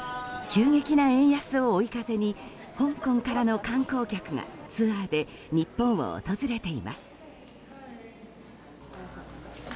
急激な円安を追い風に香港からの観光客がツアーで日本を訪れています。